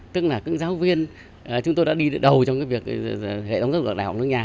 tức là những giáo viên chúng tôi đã đi đầu trong cái việc hệ thống giáo dục đại học nước nhà